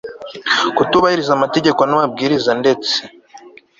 kutubahiriza amategeko n amabwiriza ndetse